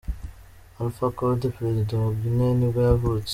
Alpha Condé, perezida wa Guinee nibwo yavutse.